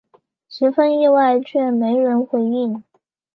十分意外却没人回应